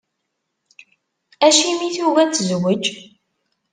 Acimi i tugi ad tezweǧ?